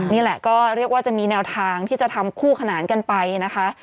นี่แหละก็เรียกว่าจะมีแนวทางที่จะทำคู่ขนานกันไปนะคะ